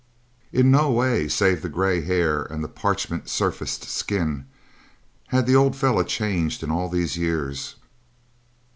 In no way, save the gray hair and the parchment surfaced skin, had the old fellow changed in all these years.